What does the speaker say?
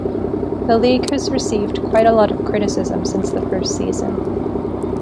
The league has received quite a lot of criticism since the first season.